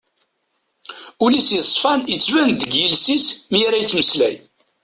Ul-is yesfan yettban-d deg yiles-is mi ara yettmeslay.